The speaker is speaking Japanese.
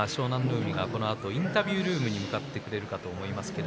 海がこのあとインタビュールームに向かってくれるかと思います。